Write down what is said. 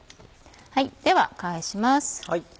では返します。